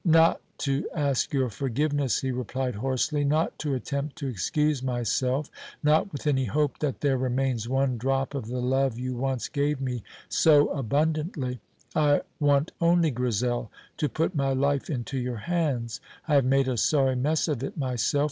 "Not to ask your forgiveness," he replied hoarsely; "not to attempt to excuse myself; not with any hope that there remains one drop of the love you once gave me so abundantly. I want only, Grizel, to put my life into your hands. I have made a sorry mess of it myself.